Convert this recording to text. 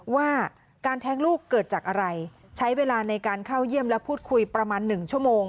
ว่าการแท้งลูกเกิดจากอะไรใช้เวลาในการเข้าเยี่ยมและพูดคุยประมาณ๑ชั่วโมง